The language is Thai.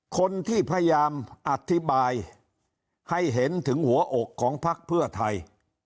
คนที่พยายามอธิบายให้เห็นถึงหัวอกของพักเพื่อไทย